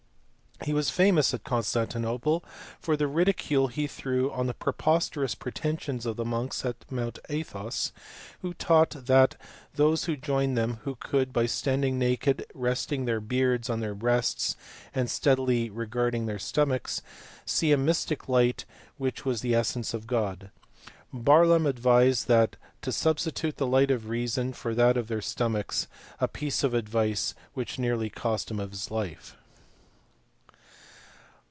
He was famous at Constantinople for the ridicule he threw on the preposterous pretensions of the monks at Mount Athos x who taught that those who joined them could, by standing naked resting their beards on their breasts and steadily regarding their stomachs, see a mystic light which was the essence of .God; Barlaam advised them to substitute the light of reason for that of their stomachs a piece of advice which nearly cost him his life.